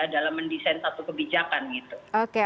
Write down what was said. dalam mendesain satu kebijakan